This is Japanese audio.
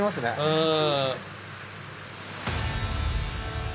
うん。